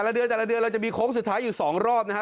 เดือนแต่ละเดือนเราจะมีโค้งสุดท้ายอยู่๒รอบนะฮะ